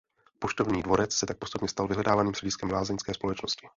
Poštovní dvorec se tak postupně stal vyhledávaným střediskem lázeňské společnosti.